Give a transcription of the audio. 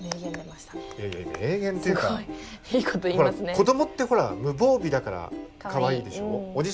子どもってほら無防備だからかわいいでしょう。